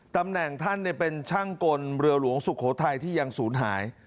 ตำแหน่งท่านเป็นช่างกลเรือหลวงสุโขทัยที่ยังศูนย์หาย